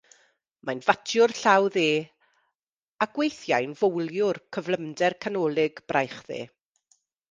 Mae'n fatiwr llaw dde ac weithiau'n fowliwr cyflymder canolig braich dde.